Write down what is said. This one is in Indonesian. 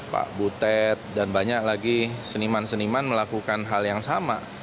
pak butet dan banyak lagi seniman seniman melakukan hal yang sama